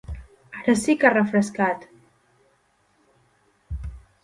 Ara sí que ha refrescat!